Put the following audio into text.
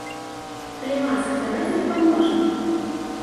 Калі ласка, давайце дапаможам!